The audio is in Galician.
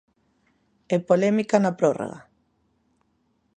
E polémica na prórroga.